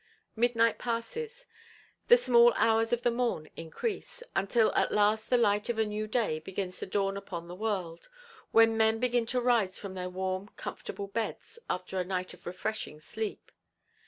Midnight passes, the small hours of the morn increase, until at last the light of a new day begins to dawn upon the world, when men begin to rise from their warm comfortable beds after a night of refreshing sleep.